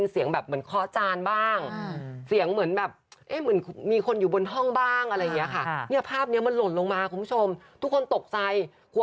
มีอะไรไปชนไปเกี่ยว